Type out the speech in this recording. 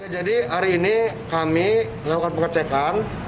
jadi hari ini kami melakukan pengecekan